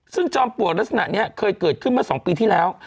ซึ่งจอมปลวกลักษณะนี้เคยเกิดขึ้นเมื่อ๒ปีที่แล้ว